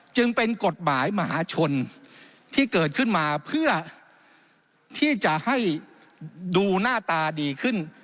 จึงเป็นกฎหมายมหาชนที่เกิดขึ้นมาเพื่อที่จะให้ดูหน้าตาดีขึ้น